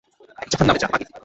জাহান্নামে যা, মাগী!